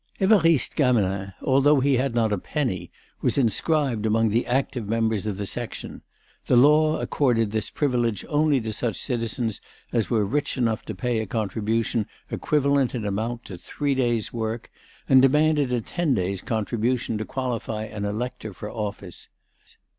Évariste Gamelin, albeit he had not a penny, was inscribed among the active members of the Section; the law accorded this privilege only to such citizens as were rich enough to pay a contribution equivalent in amount to three days' work, and demanded a ten days' contribution to qualify an elector for office.